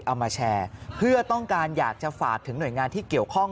เอามาแชร์เพื่อต้องการอยากจะฝากถึงหน่วยงานที่เกี่ยวข้อง